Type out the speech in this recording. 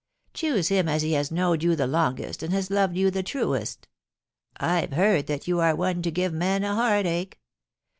Choose him as has knowed you the longest, and has loved you the truest I've heard that you are one to give men a heartache.